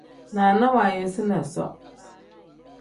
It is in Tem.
Naana waayisina isoo.